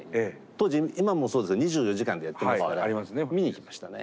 当時今もそうですけど２４時間でやってますから見に行きましたね。